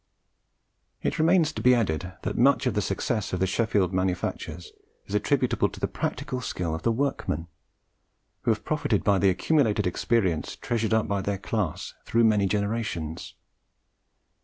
It remains to be added, that much of the success of the Sheffield manufactures is attributable to the practical skill of the workmen, who have profited by the accumulated experience treasured up by their class through many generations.